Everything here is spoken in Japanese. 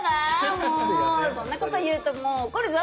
もうそんなこと言うと怒るぞ！